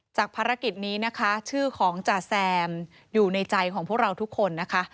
ภารกิจนี้นะคะชื่อของจ่าแซมอยู่ในใจของพวกเราทุกคนนะคะ